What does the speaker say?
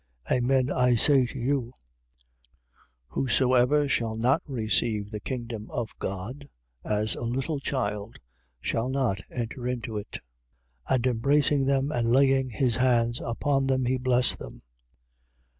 10:15. Amen I say to you, whosoever shall not receive the kingdom of God as a little child shall not enter into it. 10:16. And embracing them and laying his hands upon them, he blessed them.